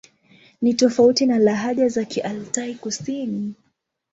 Ni tofauti na lahaja za Kialtai-Kusini.